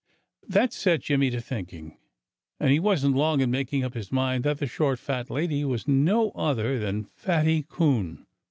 That set Jimmy to thinking. And he wasn't long in making up his mind that the short, fat lady was no other than Fatty Coon.